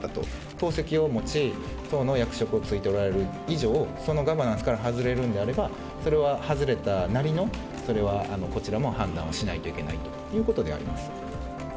党籍を持ち、党の役職に就いておられる以上、そのガバナンスから外れるんであれば、それは外れたなりの、それはこちらも判断をしなきゃいけないということであります。